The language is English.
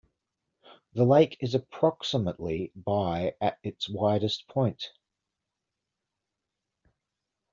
The lake is approximately by at its widest point.